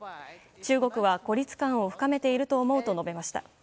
中国は孤立感を深めていると思うと述べました。